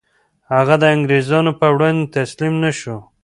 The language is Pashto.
هغه د انګریزانو په وړاندې تسلیم نه شو.